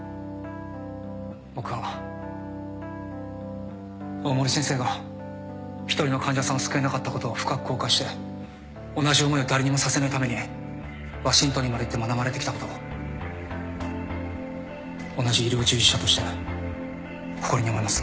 僕は大森先生が一人の患者さんを救えなかったことを深く後悔して同じ思いを誰にもさせないためにワシントンにまで行って学ばれてきたこと同じ医療従事者として誇りに思います。